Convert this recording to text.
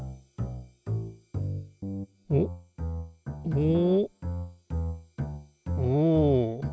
おお。